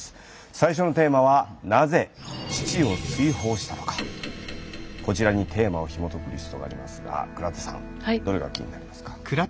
最初のテーマはこちらにテーマをひもとくリストがありますが倉田さんどれが気になりますか？